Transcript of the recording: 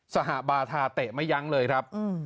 สหบาทาเตะไม่ยั้งเลยครับ